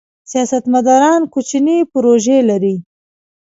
سیاستمداران کوچنۍ پروژې لري.